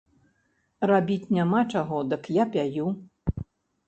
Рабіць няма чаго, дык я пяю.